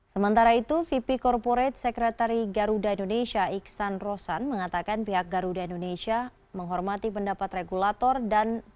sementara itu vp corporate sekretari garuda indonesia iksan rosan mengatakan pihak garuda indonesia menghormati pendapat regulator dan